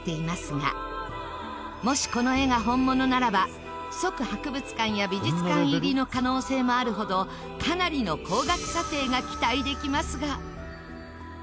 もしこの絵が本物ならば即博物館や美術館入りの可能性もあるほどかなりの高額査定が期待できますが。